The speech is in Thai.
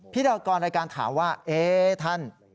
พิธีกรในรายการถามว่า